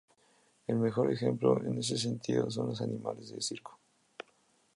El mejor ejemplo en este sentido son los animales de circo.